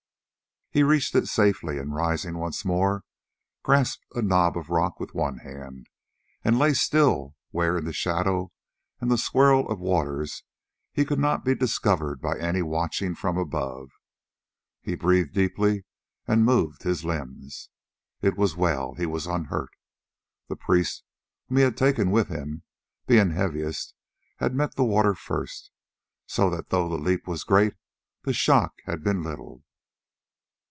He reached it safely, and rising once more grasped a knob of rock with one hand, and lay still where in the shadow and the swirl of waters he could not be discovered by any watching from above. He breathed deeply and moved his limbs; it was well, he was unhurt. The priest whom he had taken with him, being heaviest, had met the water first, so that though the leap was great the shock had been little.